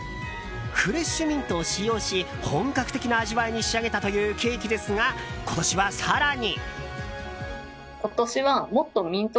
フレッシュミントを使用し本格的な味わいに仕上げたというケーキですが、今年は更に。